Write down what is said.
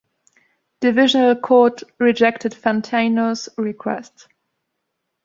Divisional Court rejected Fantino's request.